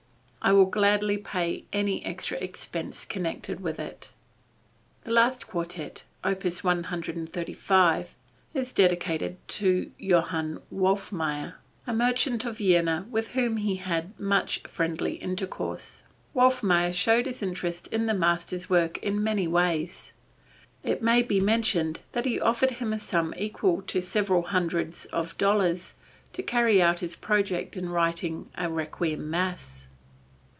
I will gladly pay any extra expense connected with it." The last Quartet, opus 135, is dedicated to Johann Wolfmayer, a merchant of Vienna with whom he had much friendly intercourse. Wolfmayer showed his interest in the master's work in many ways. It may be mentioned that he offered him a sum equal to several hundreds of dollars to carry out his project of writing a Requiem Mass.